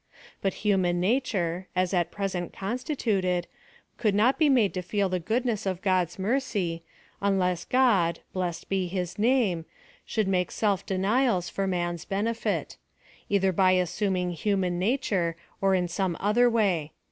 But human nature, as at present constituted, could not be made to feel the goodness of God's mercy, unless God blvisscd bo his name — should make selfdenials for 12 188 PHILOSOPHY OP THE man's benefit ; either by assuming human nature, or in some other way.